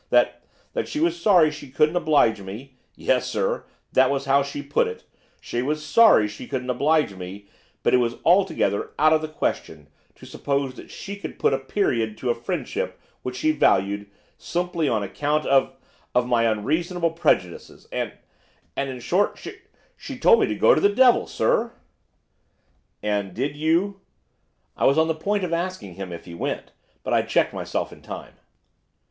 that that she was sorry she couldn't oblige me, yes, sir, that was how she put it, she was sorry she couldn't oblige me, but it was altogether out of the question to suppose that she could put a period to a friendship which she valued, simply on account of of my unreasonable prejudices, and and and, in short, she she told me to go the devil, sir!' 'And did you ' I was on the point of asking him if he went, but I checked myself in time.